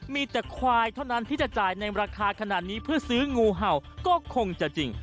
มีแต่ควายเท่านั้นที่จะจ่ายในราคาขนาดนี้เพื่อซื้องูเห่าก็คงจะจริง